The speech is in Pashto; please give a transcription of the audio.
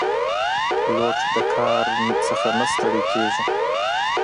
پیلوټ د کار نه ستړی نه کېږي.